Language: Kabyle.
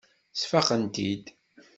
Sfaqen-tent-id.